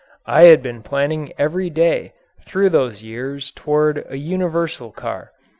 I had been planning every day through these years toward a universal car.